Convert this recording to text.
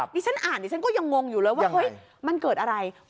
ดิฉันอ่านดิฉันก็ยังงงอยู่เลยว่าเฮ้ยมันเกิดอะไร